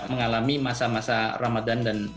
mengalami masa masa ramadan dan